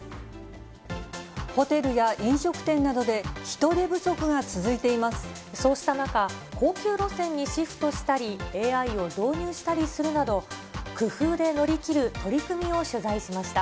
ホテルや飲食店などで、そうした中、高級路線にシフトしたり、ＡＩを導入したりするなど、工夫で乗り